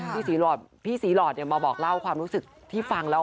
พี่ศรีหลอดเนี่ยมาบอกเล่าความรู้สึกที่ฟังแล้ว